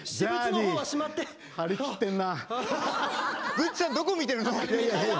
グッチさんどこ見てるの？